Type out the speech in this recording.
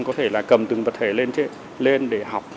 có thể là cầm từng vật thể lên để học